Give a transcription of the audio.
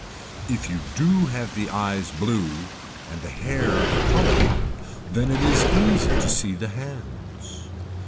If you do have the eyes blue and the hair the color then it is easy to see the hands.